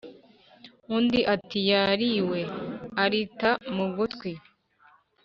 undi ati"yariwe."arita mugutwi